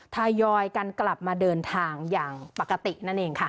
ทยอยกันกลับมาเดินทางอย่างปกตินั่นเองค่ะ